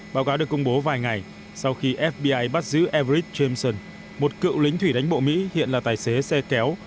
báo cáo được công bố vài ngày sau khi fbi bắt giữ ebrid chamson một cựu lính thủy đánh bộ mỹ hiện là tài xế xe kéo